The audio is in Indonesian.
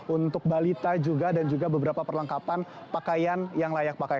untuk balita juga dan juga beberapa perlengkapan pakaian yang layak pakai